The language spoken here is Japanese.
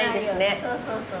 そうそうそう。